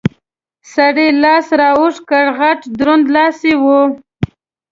سړي لاس را اوږد کړ، غټ دروند لاس یې و.